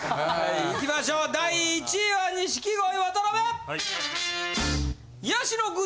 いきましょう第１位は錦鯉渡辺！